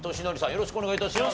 よろしくお願いします。